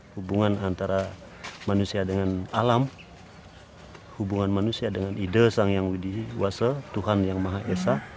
hubungan antara manusia dengan alam hubungan manusia dengan ide sang yang widi wase tuhan yang maha esa